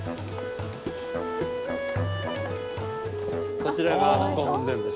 こちらがご本殿です。